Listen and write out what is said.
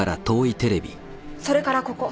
それからここ。